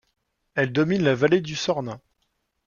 Elle domine la vallée du Sornin.